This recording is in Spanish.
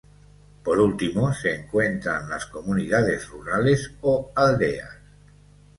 Por último, se encuentran las comunidades rurales o aldeas.